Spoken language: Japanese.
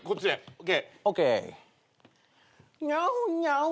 ＯＫ。